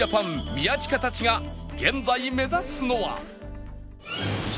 宮近たちが現在目指すのは